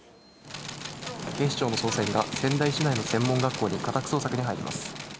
警視庁の捜査員が仙台市内の専門学校に家宅捜索に入ります。